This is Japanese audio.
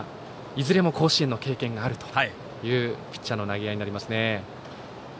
いずれも甲子園の経験があるピッチャーの投げ合いになります。